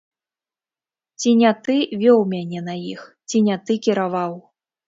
Ці не ты вёў мяне на іх, ці не ты кіраваў.